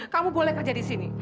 kamu boleh kerja di sini